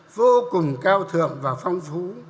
vô cùng cao thượng và phong phú